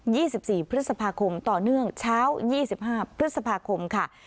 ี่สิบสี่พฤษภาคมต่อเนื่องเช้ายี่สิบห้าพฤษภาคมค่ะ